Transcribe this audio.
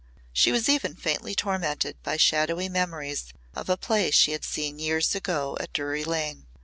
She was even faintly tormented by shadowy memories of a play she had seen years ago at Drury Lane.